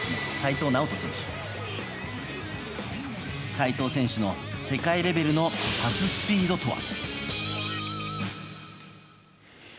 齋藤選手の世界レベルのパススピードとは。